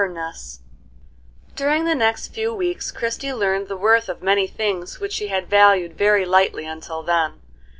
] During the next few weeks Christie learned the worth of many things which she had valued very lightly until then.